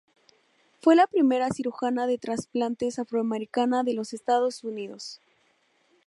Fue la primera cirujana de trasplantes afroamericana de los Estados Unidos.